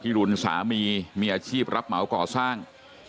รุนสามีมีอาชีพรับเหมาก่อสร้าง